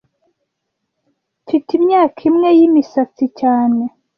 Mfite imyaka imwe yimisatsi cyane